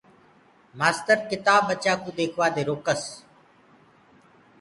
مآستر ڪِتآب ٻچآ ڪوُ ديکوآ دي روڪس۔